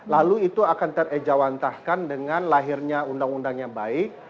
lalu itu akan terejawantahkan dengan lahirnya undang undang yang baik